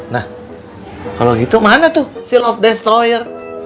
nah kalau gitu mana tuh si love destroyer